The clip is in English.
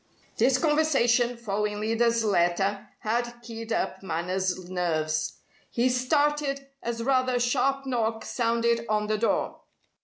This conversation, following Lyda's letter, had keyed up Manners' nerves. He started as rather a sharp knock sounded on the door.